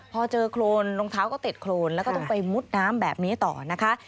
พอเจอโครนรองเท้าก็ติดโครนแล้วก็ต้องไปมุดน้ำแบบนี้ต่อนะคะ